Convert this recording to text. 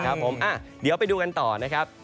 ครับผมเดี๋ยวไปดูกันต่อนะครับ